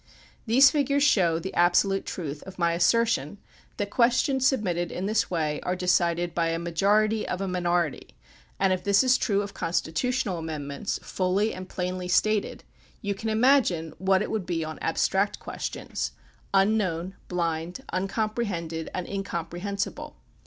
These figures show the absolute truth of my assertion that questions submitted in this way are decided by a majority of a minority, and if this is true of constitu tional amendments, fully and plainly stated, you can 22 THE PUBLIC OPINION BILL imagine what it would be on abstract questions, un known, blind, uncomprehended, and incomprehensible.